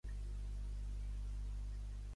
Els seus fan es refereixen a ell com a "Kid Thunder".